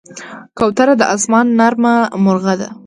کوتره د آسمان نرمه مرغه ده.